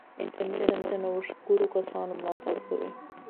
انټرنیټ د نوښتګرو کسانو ملاتړ کوي.